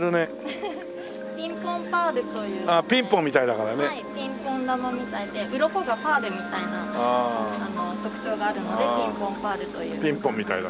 ピンポン球みたいでうろこがパールみたいな特徴があるのでピンポンパールという。